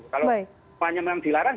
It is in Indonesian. kalau banyak yang dilarang